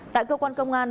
tại cơ quan công an